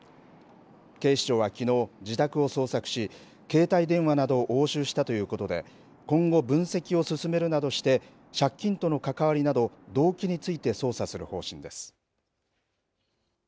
警視庁はきのう、自宅を捜索し携帯電話などを押収したということで今後、分析を進めるなどして借金との関わりなど動機について捜査する方針です。